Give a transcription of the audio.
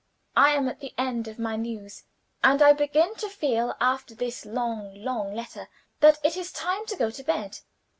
I am at the end of my news; and I begin to feel after this long, long letter that it is time to go to bed.